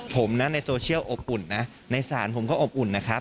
ผมนะในโซเชียลอบอุ่นนะในศาลผมก็อบอุ่นนะครับ